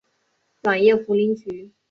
软叶茯苓菊